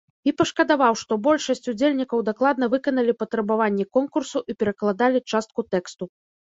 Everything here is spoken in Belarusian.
І пашкадаваў, што большасць удзельнікаў дакладна выканалі патрабаванні конкурсу і перакладалі частку тэксту.